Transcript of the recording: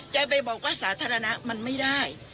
จะไปบอกว่าสาธารณะมันไม่ได้